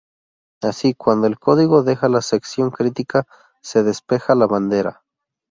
Así, cuando el código deja la sección crítica, se despeja la bandera.